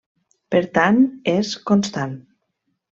Per tant és constant.